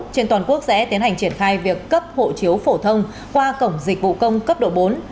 trên toàn quốc sẽ tiến hành triển khai việc cấp hộ chiếu phổ thông qua cổng dịch vụ công cấp độ bốn